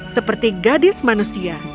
seperti gadis manusia